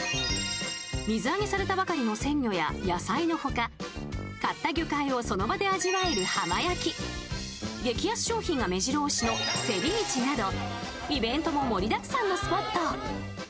水揚げされたばかりの鮮魚や野菜の他買った魚介をその場で味わえる浜焼き激安商品が目白押しのせり市などイベントも盛りだくさんのスポット。